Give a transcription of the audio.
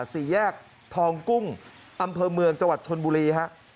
สี่แยกทองกุ้งอำเภอเมืองจังหวัดชนบุรีฮะ